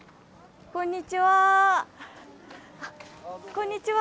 こんにちは。